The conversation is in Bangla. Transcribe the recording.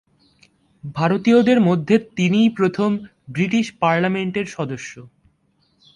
ভারতীয়দের মধ্যে তিনিই প্রথম ব্রিটিশ পার্লামেন্টের সদস্য।